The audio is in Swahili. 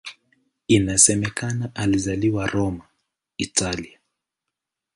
Inasemekana alizaliwa Roma, Italia.